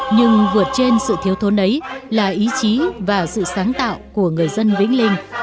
nhưng vượt trên sự thiếu thốn ấy là ý chí và sự sáng tạo của người dân vĩnh linh